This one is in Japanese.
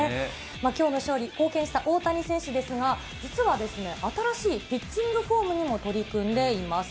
きょうの勝利、貢献した大谷選手ですが、実は新しいピッチングフォームにも取り組んでいます。